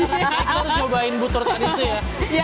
kita harus cobain butur tadi sih ya